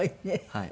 はい。